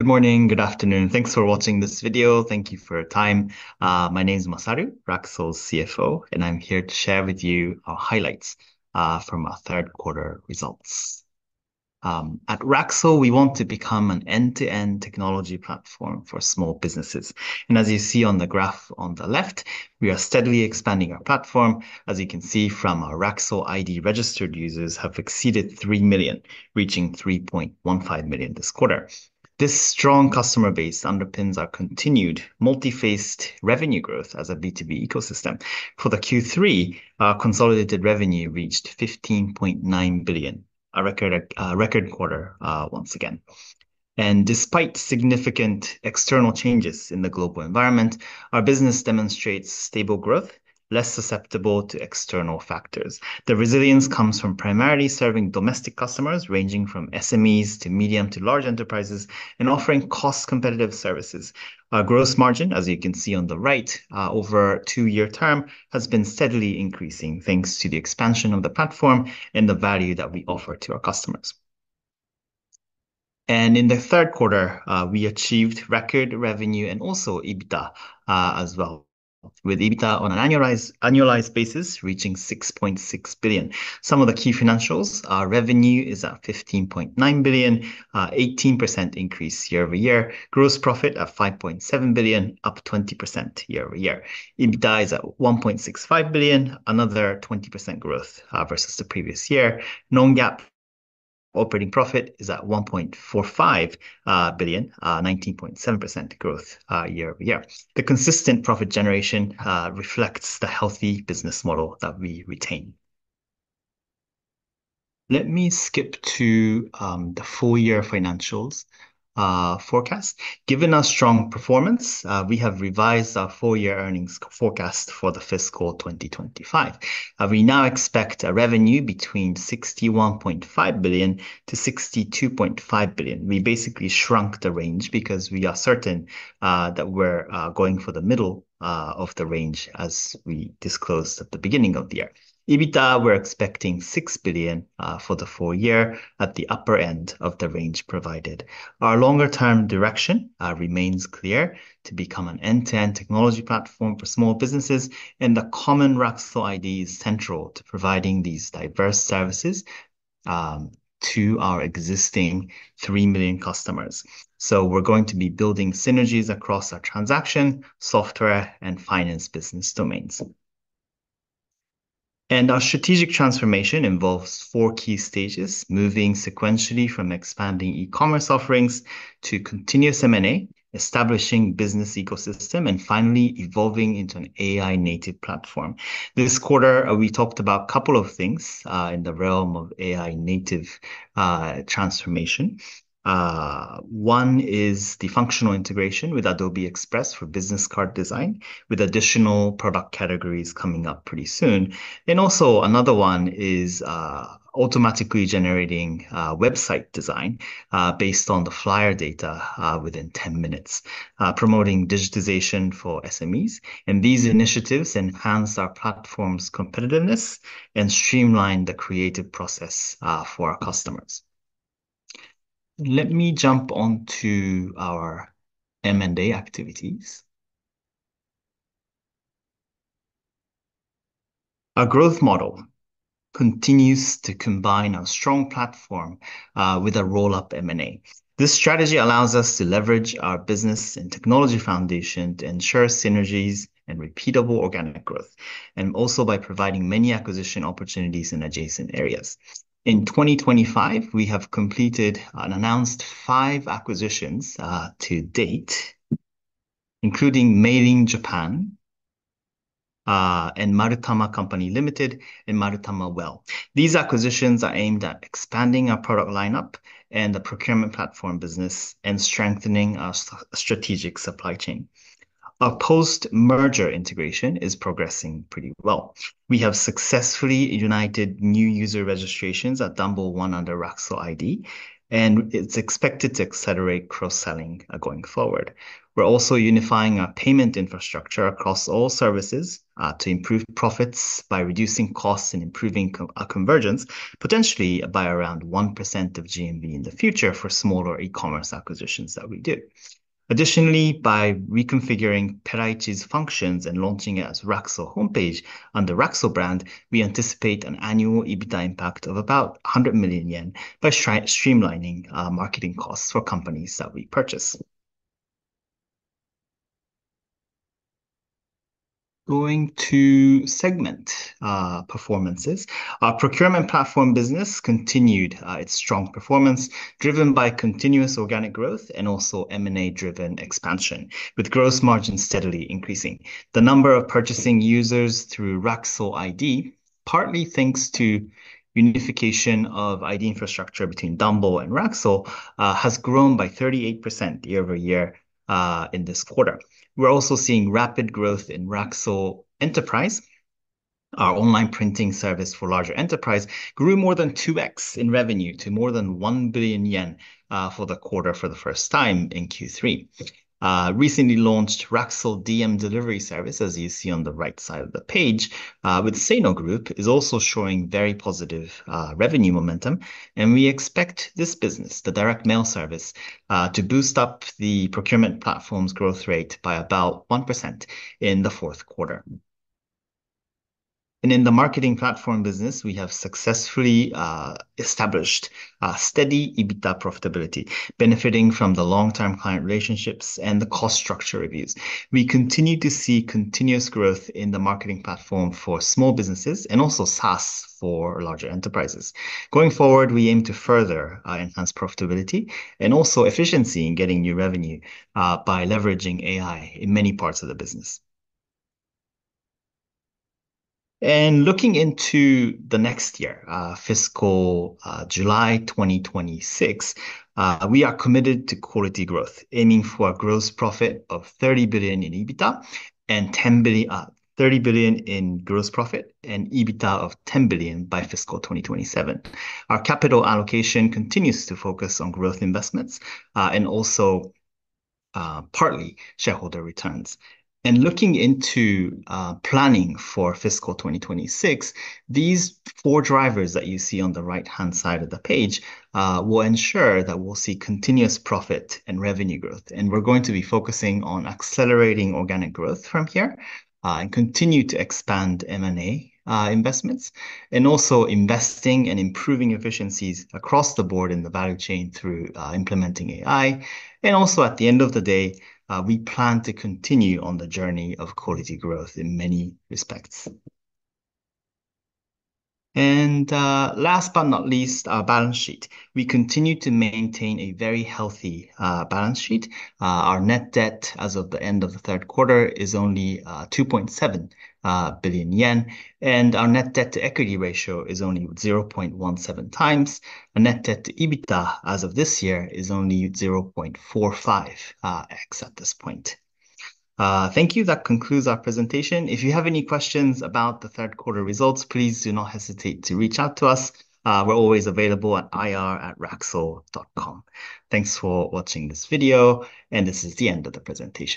Good morning, good afternoon. Thanks for watching this video. Thank you for your time. My name is Masaru, RAKSUL's CFO, and I'm here to share with you our highlights from our third quarter results. At RAKSUL, we want to become an end-to-end technology platform for small businesses. As you see on the graph on the left, we are steadily expanding our platform. As you can see from our RAKSUL ID, registered users have exceeded 3 million, reaching 3.15 million this quarter. This strong customer base underpins our continued multi-faced revenue growth as a B2B ecosystem. For the Q3, our consolidated revenue reached 15.9 billion, a record quarter once again. Despite significant external changes in the global environment, our business demonstrates stable growth, less susceptible to external factors. The resilience comes from primarily serving domestic customers ranging from SMEs to medium to large enterprises and offering cost-competitive services. Our gross margin, as you can see on the right, over a two-year term has been steadily increasing thanks to the expansion of the platform and the value that we offer to our customers. In the third quarter, we achieved record revenue and also EBITDA as well, with EBITDA on an annualized basis reaching 6.6 billion. Some of the key financials: our revenue is at 15.9 billion, an 18% increase year-over-year. Gross profit at 5.7 billion, up 20% year-over-year. EBITDA is at 1.65 billion, another 20% growth versus the previous year. Non-GAAP operating profit is at 1.45 billion, a 19.7% growth year-over-year. The consistent profit generation reflects the healthy business model that we retain. Let me skip to the full year financials forecast. Given our strong performance, we have revised our full year earnings forecast for the fiscal 2025. We now expect a revenue between 61.5 billion-62.5 billion. We basically shrunk the range because we are certain that we're going for the middle of the range as we disclosed at the beginning of the year. EBITDA, we're expecting 6 billion for the full year at the upper end of the range provided. Our longer-term direction remains clear to become an end-to-end technology platform for small businesses, and the common RAKSUL ID is central to providing these diverse services to our existing 3 million customers. We are going to be building synergies across our transaction, software, and finance business domains. Our strategic transformation involves four key stages, moving sequentially from expanding e-commerce offerings to continuous M&A, establishing business ecosystem, and finally evolving into an AI-native platform. This quarter, we talked about a couple of things in the realm of AI-native transformation. One is the functional integration with Adobe Express for business card design, with additional product categories coming up pretty soon. Another one is automatically generating website design based on the flyer data within 10 minutes, promoting digitization for SMEs. These initiatives enhance our platform's competitiveness and streamline the creative process for our customers. Let me jump on to our M&A activities. Our growth model continues to combine our strong platform with a roll-up M&A. This strategy allows us to leverage our business and technology foundation to ensure synergies and repeatable organic growth, and also by providing many acquisition opportunities in adjacent areas. In 2025, we have completed and announced five acquisitions to date, including Mailing Japan, Marutama Company Ltd, and Marutama Well. These acquisitions are aimed at expanding our product lineup and the procurement platform business and strengthening our strategic supply chain. Our post-merger integration is progressing pretty well. We have successfully united new user registrations at Dumble under RAKSUL ID, and it's expected to accelerate cross-selling going forward. We're also unifying our payment infrastructure across all services to improve profits by reducing costs and improving our convergence, potentially by around 1% of GMV in the future for smaller e-commerce acquisitions that we do. Additionally, by reconfiguring Peraichi's functions and launching it as RAKSUL Homepage under RAKSUL brand, we anticipate an annual EBITDA impact of about 100 million yen by streamlining marketing costs for companies that we purchase. Going to segment performances, our procurement platform business continued its strong performance, driven by continuous organic growth and also M&A-driven expansion, with gross margins steadily increasing. The number of purchasing users through RAKSUL ID, partly thanks to unification of ID infrastructure between Dumble and RAKSUL, has grown by 38% year-over-year in this quarter. We're also seeing rapid growth in RAKSUL Enterprise. Our online printing service for larger enterprise grew more than 2x in revenue to more than 1 billion yen for the quarter for the first time in Q3. Recently launched RAKSUL DM delivery service, as you see on the right side of the page with Seno Group, is also showing very positive revenue momentum. We expect this business, the direct mail service, to boost up the procurement platform's growth rate by about 1% in the fourth quarter. In the marketing platform business, we have successfully established steady EBITDA profitability, benefiting from the long-term client relationships and the cost structure reviews. We continue to see continuous growth in the marketing platform for small businesses and also SaaS for larger enterprises. Going forward, we aim to further enhance profitability and also efficiency in getting new revenue by leveraging AI in many parts of the business. Looking into the next year, fiscal July 2026, we are committed to quality growth, aiming for a gross profit of 30 billion in EBITDA and 30 billion in gross profit and EBITDA of 10 billion by fiscal 2027. Our capital allocation continues to focus on growth investments and also partly shareholder returns. Looking into planning for fiscal 2026, these four drivers that you see on the right-hand side of the page will ensure that we'll see continuous profit and revenue growth. We are going to be focusing on accelerating organic growth from here and continue to expand M&A investments and also investing and improving efficiencies across the board in the value chain through implementing AI. At the end of the day, we plan to continue on the journey of quality growth in many respects. Last but not least, our balance sheet. We continue to maintain a very healthy balance sheet. Our net debt as of the end of the third quarter is only 2.7 billion yen, and our net debt to equity ratio is only 0.17 times. Our net debt to EBITDA as of this year is only 0.45x at this point. Thank you. That concludes our presentation. If you have any questions about the third quarter results, please do not hesitate to reach out to us. We are always available at ir@raksul.com. Thanks for watching this video, and this is the end of the presentation.